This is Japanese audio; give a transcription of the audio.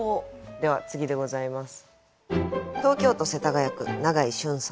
では次でございます。